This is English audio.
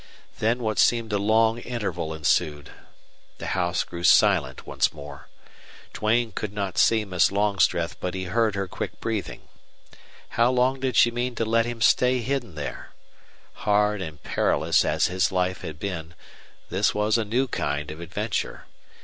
Then what seemed a long interval ensued. The house grew silent once more. Duane could not see Miss Longstreth, but he heard her quick breathing. How long did she mean to let him stay hidden there? Hard and perilous as his life had been, this was a new kind of adventure.